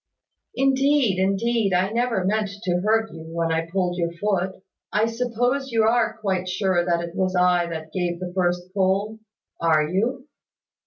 "Indeed, indeed, I never meant to hurt you when I pulled your foot I suppose you are quite sure that it was I that gave the first pull? Are you?"